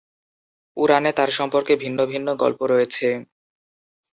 পুরাণে তার সম্পর্কে ভিন্ন ভিন্ন গল্প রয়েছে।